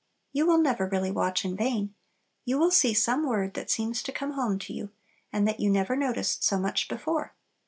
You will never really watch in vain. You will see some word that seems to come home to you, and that you never noticed so much before.